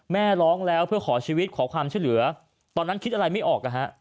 แม่ร้องแล้วเพื่อขอชีวิตขอความช่วยเหลือตอนนั้นคิดอะไรไม่ออกนะฮะ